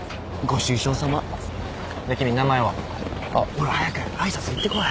ほら早く挨拶行ってこい。